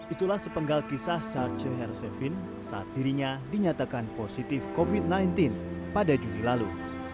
itulah sepenggal kisah sarce hersefin saat dirinya dinyatakan positif covid sembilan belas pada juli lalu